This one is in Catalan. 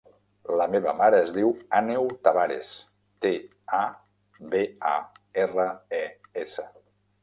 La meva mare es diu Àneu Tabares: te, a, be, a, erra, e, essa.